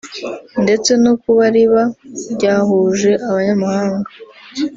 ndetse no kuba riba ryahuje abanyamahanga